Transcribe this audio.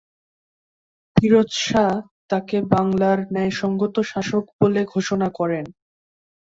ফিরোজ শাহ তাকে বাংলার ন্যায়সঙ্গত শাসক বলে ঘোষণা করেন।